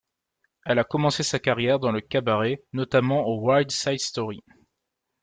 Elle a commencé sa carrière dans le cabaret notamment au Wild Side Story.